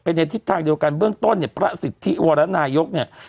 ในทิศทางเดียวกันเบื้องต้นเนี่ยพระสิทธิวรนายกเนี่ย